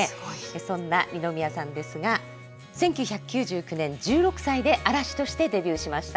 そんな二宮さんですが、１９９９年、１６歳で嵐としてデビューしました。